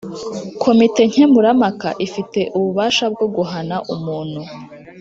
Komite nkemurampaka ifite ububasha bwo guhana umuntu